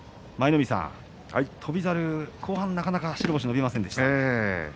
舞の海さん翔猿は後半白星が伸びませんでした。